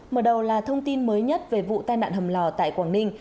mở đầu là thông tin mới nhất về vụ tai nạn hầm lò tại quảng ninh